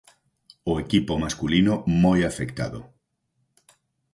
O equipo masculino moi afectado.